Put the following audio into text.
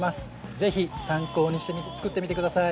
是非参考にしてみてつくってみてください！